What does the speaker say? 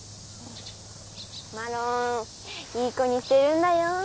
マロンいい子にしてるんだよ。